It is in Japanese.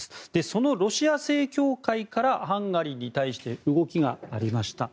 そのロシア正教会からハンガリーに対して動きがありました。